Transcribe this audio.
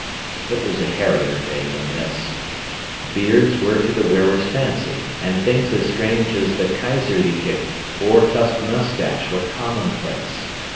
It was a hairier day than this. Beards were to the wearers' fancy, and things as strange as the Kaiserliche boar tusk moustache were commonplace.